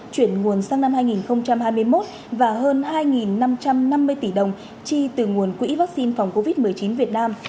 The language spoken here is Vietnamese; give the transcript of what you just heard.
chuyển nguồn sang năm hai nghìn hai mươi một và hơn hai năm trăm năm mươi tỷ đồng chi từ nguồn quỹ vaccine phòng covid một mươi chín việt nam